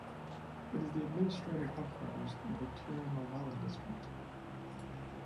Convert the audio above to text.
It is the administrative headquarters of the Tirunelveli District.